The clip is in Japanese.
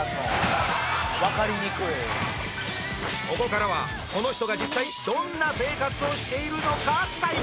ここからはこの人が実際どんな生活をしているのか再現